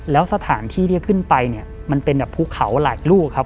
แล้วสถานที่ที่ขึ้นไปเนี่ยมันเป็นแบบภูเขาหลายลูกครับ